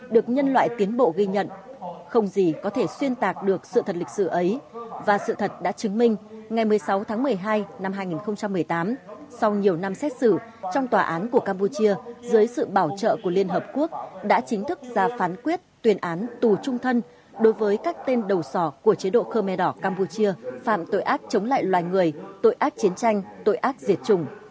được nhân loại tiến bộ ghi nhận không gì có thể xuyên tạc được sự thật lịch sử ấy và sự thật đã chứng minh ngày một mươi sáu tháng một mươi hai năm hai nghìn một mươi tám sau nhiều năm xét xử trong tòa án của campuchia dưới sự bảo trợ của liên hợp quốc đã chính thức ra phán quyết tuyên án tù trung thân đối với các tên đầu sỏ của chế độ khmer đỏ campuchia phạm tội ác chống lại loài người tội ác chiến tranh tội ác diệt chủng